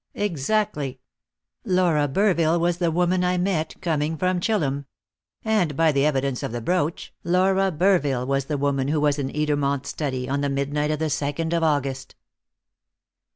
"Exactly. Laura Burville was the woman I met coming from Chillum. And, by the evidence of the brooch, Laura Burville was the woman who was in Edermont's study on the midnight of the second of August."